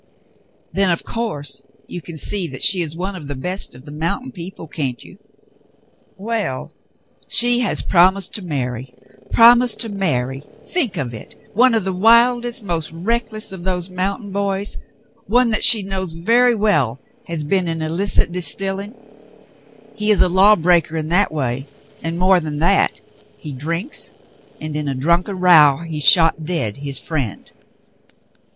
"Then, of course, you can see that she is one of the best of the mountain people, can't you '^ Well ! She has promised to marry — promised to marry — think of it ! one of the wildest, most reckless of those mountain bovs, one that she knows very well has been in illicit distilling. 134 The Mountain Girl He is a lawbreaker in that way ; and, more than that, he drinks, and in a drunken row he shot dead his friend."